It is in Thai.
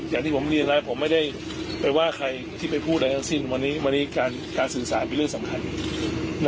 ก็เป็นเดิมพันธุ์เหมือนกัน